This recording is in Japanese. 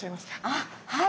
あっはい。